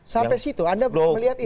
sampai situ anda melihat itu